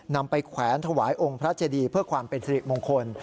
นำไปแขวนถวายองค์พระเจดีเพื่อความเป็นสิริมงคล